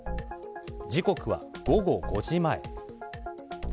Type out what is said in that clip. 時刻は午後５時前。